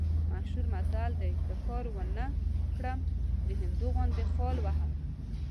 مشهور متل دی: که کار ونه کړم، د هندو غوندې خال وهم.